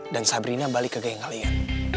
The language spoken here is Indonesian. dan sabrina balik ke geng kalian